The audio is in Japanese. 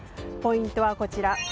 ポイントはこちら。